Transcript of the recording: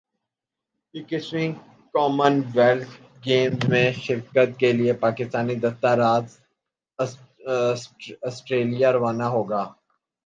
اکیسویں commonwealth games میں شرکت کے لئے پاکستانی دستہ رات سٹریلیا روانہ ہو گا